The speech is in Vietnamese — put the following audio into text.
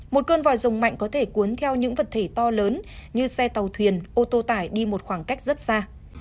một cơn vòi rồng mạnh có thể cuốn theo những vật thể to lớn như xe tàu thuyền ô tô tải đi một khoảng cách rất xa